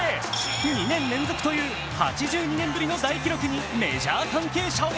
２年連続という８２年ぶりの大記録にメジャー関係者は